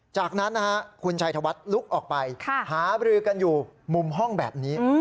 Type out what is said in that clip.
จากนั้นคุณชัยธวัฒน์ลุกออกไปหาบรือกันอยู่มุมห้องแบบนี้